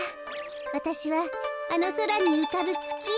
わたしはあのそらにうかぶつきへ。